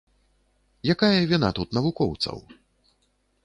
Якая віна тут навукоўцаў?